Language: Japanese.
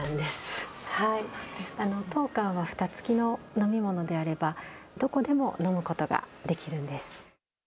当館はふた付きの飲み物であれば、どこでも飲むことができるんです。